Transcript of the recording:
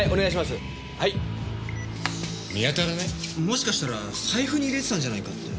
もしかしたら財布に入れてたんじゃないかって。